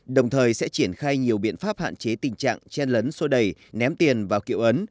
đồng thời sẽ triển khai nhiều biện pháp hạn chế tình trạng chen lấn sô đẩy ném tiền vào kiệu ấn